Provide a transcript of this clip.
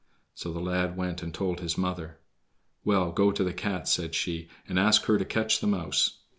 So the lad went and told his mother. "Well, go to the cat," said she, "and ask her to catch the mouse."